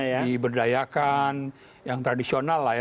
yang berdayakan yang tradisional lah ya